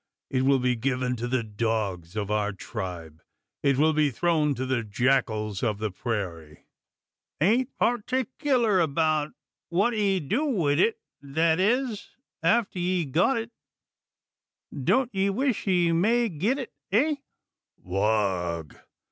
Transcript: It will be given to the dogs of our tribe. It will be thrown to the jackals of the prairie." "Ain't partickler abeout what 'ee do wi' 't thet is, efter ye've got it. Don't ye wish 'ee may get it? eh?" "Wagh!"